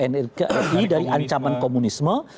nkri dari ancaman komunisme